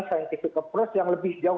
scientific approach yang lebih jauh